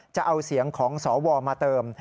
จะเอาเสียงของสวมาเติม